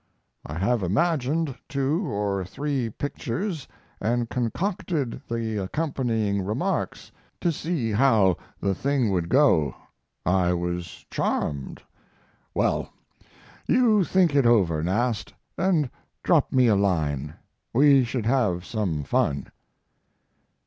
I have imagined two or three pictures and concocted the accompanying remarks, to see how the thing would go. I was charmed. Well, you think it over, Nast, and drop me a line. We should have some fun.